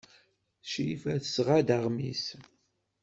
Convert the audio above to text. Crifa tesɣa-d aɣmis.